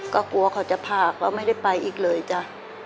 ก็กลัวเขาจะพากแล้วไม่ได้ไปอีกเลยจ้ะ